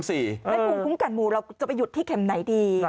และภูมิคุ้มกันหมู่เราจะไปหยุดที่เข็มไหนดี